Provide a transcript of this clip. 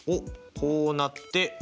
こうなって７！